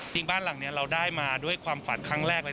บ้านหลังนี้เราได้มาด้วยความฝันครั้งแรกเลย